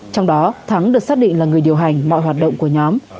trong đó thắng được xác định là người điều hành mọi hoạt động của nhóm